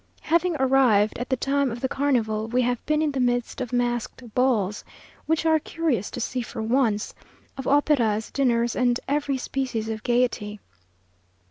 Having arrived at the time of the carnival, we have been in the midst of masked balls, which are curious to see for once; of operas, dinners, and every species of gaiety.